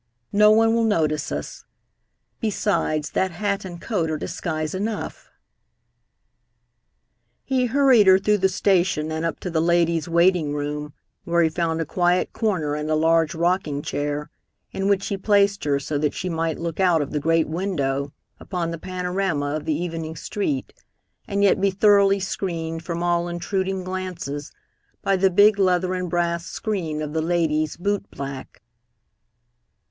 No one will notice us. Besides, that hat and coat are disguise enough." He hurried her through the station and up to the ladies' waiting room, where he found a quiet corner and a large rocking chair, in which he placed her so that she might look out of the great window upon the panorama of the evening street, and yet be thoroughly screened from all intruding glances by the big leather and brass screen of the "ladies' boot black."